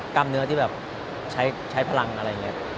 กล้ามเนื้อที่แบบใช้พลังอะไรอย่างนี้